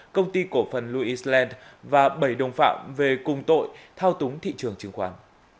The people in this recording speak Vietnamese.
công ty cổ phần louis land và bảy đồng phạm về cùng tội thao túng thị trường trường khoản